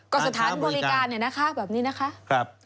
ก็สถานบริการแบบนี้นะคะ